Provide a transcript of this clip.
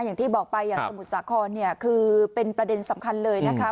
อย่างที่บอกไปอย่างสมุทรสาครเนี่ยคือเป็นประเด็นสำคัญเลยนะคะ